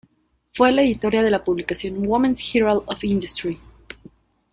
Fue la editora de la publicación "Women's Herald of Industry".